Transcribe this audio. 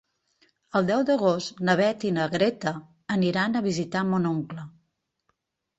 El deu d'agost na Beth i na Greta aniran a visitar mon oncle.